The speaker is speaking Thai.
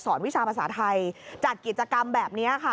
วิชาภาษาไทยจัดกิจกรรมแบบนี้ค่ะ